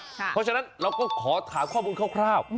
เพราะฉะนั้นเราก็ขอถามข้อมูลคร่าว